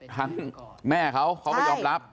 ทั้งแม่เขาเขาไปยอมรับ